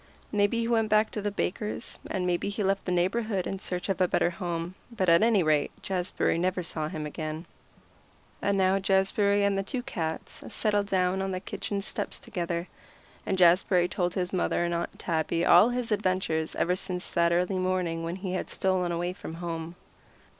Maybe he went back to the baker's, and maybe he left the neighborhood in search of a better home, but at any rate Jazbury never saw him again. And now Jazbury and the two cats settled down on the kitchen steps together, and Jazbury told his mother and Aunt Tabby all his adventures ever since that early morning when he had stolen away from home.